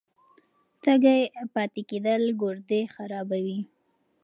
تږی پاتې کېدل ګردې خرابوي.